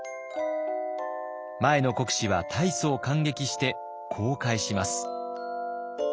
前の国司は大層感激してこう返します。